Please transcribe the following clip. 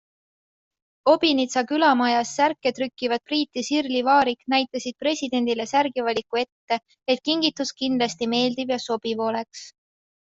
Obinitsa külamajas särke trükkivad Priit ja Sirli Vaarik näitasid presidendile särgivaliku ette, et kingitus kindlasti meeldiks ja sobiv oleks.